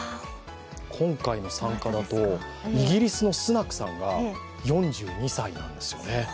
今回の参加だと、イギリスのスナクさんが４２歳なんですよね。